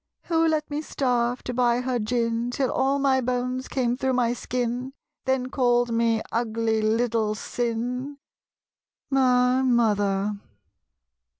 Who let me starve, to buy her gin, Till all my bones came through my skin, Then called me "ugly little sin?" My Mother.